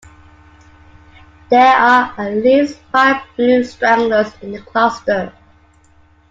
There are at least five blue stragglers in the cluster.